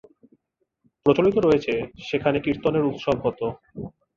প্রচলিত রয়েছে, সেখানে কীর্তনের উৎসব হতো।